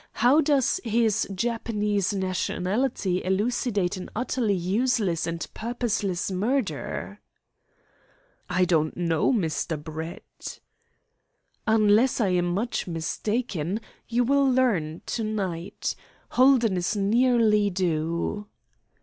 How does his Japanese nationality elucidate an utterly useless and purposeless murder?" "I don't know, Mr. Brett." "Unless I am much mistaken, you will learn to night. Holden is nearly due."